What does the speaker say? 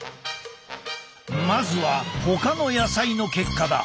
まずはほかの野菜の結果だ。